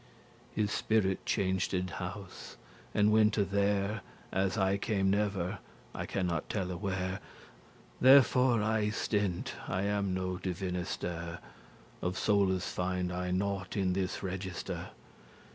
His spirit changed house, and wente there, As I came never I cannot telle where.<84> Therefore I stent*, I am no divinister; *refrain diviner Of soules find I nought in this register.